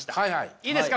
いいですか？